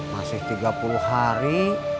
masih tiga puluh hari